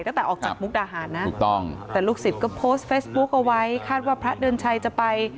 ตั้งแต่ออกจากมุกดาหารนะถูกต้องแต่ลูกศิษย์ก็โพสต์เฟซบุ๊คเอาไว้คาดว่าพระเดือนชัยจะไป